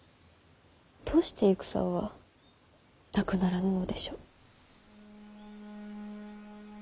どうして戦はなくならぬのでしょう。